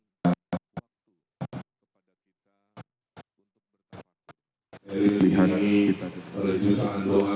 kita berhutang doa